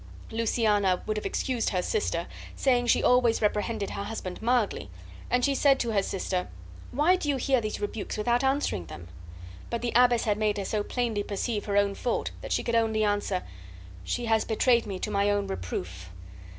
Luciana would have excused her sister, saying she always reprehended her husband mildly; and she said to her sister, "Why do you hear these rebukes without answering them?" But the abbess had made her so plainly perceive her fault that she could only answer, "She has betrayed me to my own reproof."